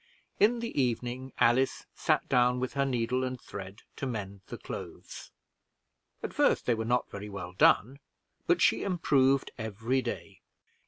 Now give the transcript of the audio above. In the evening Alice sat down with her needle and thread to mend the clothes; at first they were not very well done, but she improved every day.